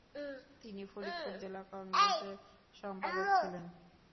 তিনি ফরিদপুর জেলা কংগ্রেসের সম্পাদক ছিলেন।